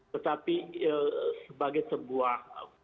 tetapi sebagai sebuah